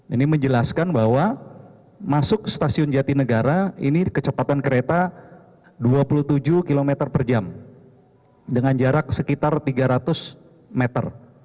ini menjelaskan bahwa masuk stasiun jatinegara ini kecepatan kereta dua puluh tujuh km per jam dengan jarak sekitar tiga ratus meter